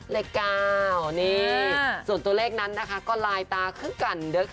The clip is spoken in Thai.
เลข๙นี่ส่วนตัวเลขนั้นนะคะก็ลายตาคึกกันเด้อค่ะ